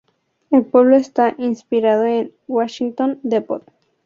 El pueblo está inspirado en Washington Depot.